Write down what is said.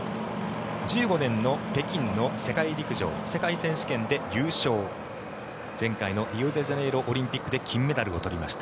２０１５年の北京の世界陸上世界選手権で優勝前回のリオデジャネイロオリンピックで金メダルを取りました